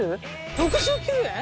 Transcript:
６９円！？